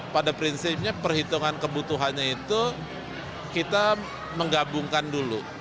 pada prinsipnya perhitungan kebutuhannya itu kita menggabungkan dulu